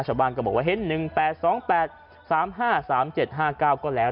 ชาวบ้านก็บอกว่าเห็น๑๘๒๘๓๕๓๗๕๙ก็แล้ว